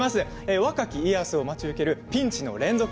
若き家康を待ち受けるピンチの連続